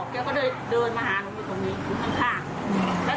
จะมาเปลี่ยนยางรถแล้วตอนนี้น่ะหนูก็เลยจัดปลอมร้านต่อ